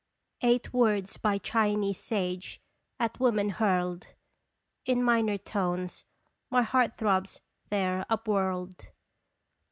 Eight words by Chinese sage at Woman hurled. In minor tones my heart throbs there upwhirled